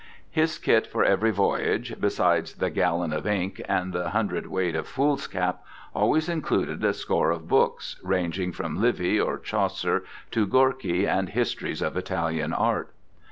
His kit for every voyage, besides the gallon of ink and the hundredweight of foolscap, always included a score of books, ranging from Livy or Chaucer to Gorky and histories of Italian art.